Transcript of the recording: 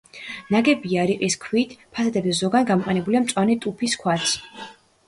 ნაგებია რიყის ქვით, ფასადებზე ზოგან გამოყენებულია მწვანე ტუფის ქვაც.